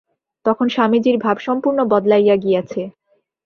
তখন স্বামীজীর ভাব সম্পূর্ণ বদলাইয়া গিয়াছে।